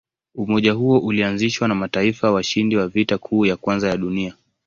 Umoja huo ulianzishwa na mataifa washindi wa Vita Kuu ya Kwanza ya Dunia.